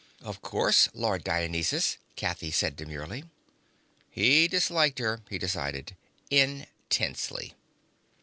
"Of course, Lord Dionysus," Kathy said demurely. He disliked her, he decided, intensely.